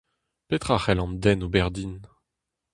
Petra c’hell an den ober din ?